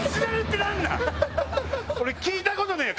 俺聴いた事ねえよ！